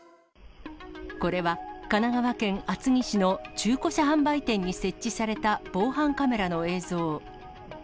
これは神奈川県厚木市の中古車販売店に設置された防犯カメラの映像。